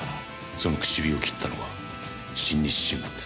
その口火を切ったのは新日新聞です。